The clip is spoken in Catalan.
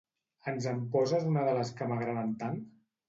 Ens en poses una de les que m'agraden tant?